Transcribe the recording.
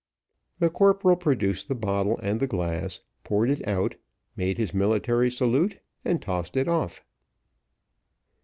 The corporal produced the bottle and the glass, poured it out, made his military salute, and tossed it off.